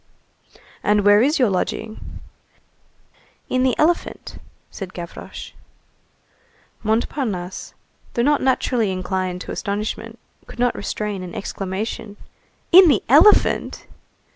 "And where is your lodging?" "In the elephant," said Gavroche. Montparnasse, though not naturally inclined to astonishment, could not restrain an exclamation. "In the elephant!"